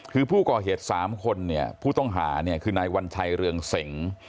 คือผู้ก่อเหตุ๓คนเนี่ยผู้ต้องหาเนี่ยคือนายวัญชัยเรืองเสง